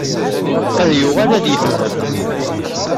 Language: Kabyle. Ad yuɣal ad ifhem.